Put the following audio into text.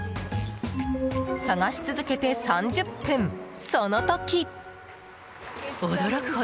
探し続けて３０分、その時。